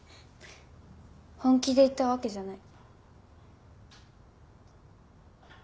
本気で言ったわけじゃない。